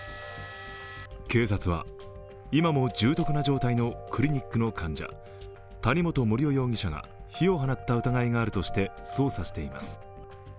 警察は、今も重篤な状態のクリニックの患者、谷本盛雄容疑者が火を放った疑いがあるとして捜査しています。